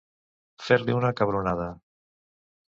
Fer-li una cabronada.